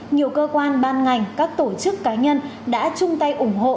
nhiều cơ quan ban ngành các tổ chức cá nhân đã chung tay ủng hộ